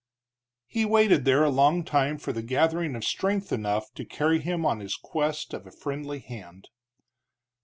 He waited there a long time for the gathering of strength enough to carry him on his quest of a friendly hand.